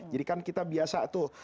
jadi kan kita biasa tuh